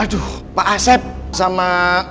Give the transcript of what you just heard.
aduh pak asep sama